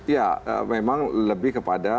ya memang lebih kepada